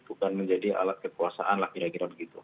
bukan menjadi alat kekuasaan lah kira kira begitu